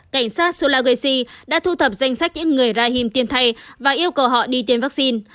cảnh sát sulawesi đã thu thập danh sách những người brahim tiên thay và yêu cầu họ đi tiêm vaccine